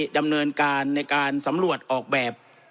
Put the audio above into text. ดำเนินการในการสำรวจออกแบบ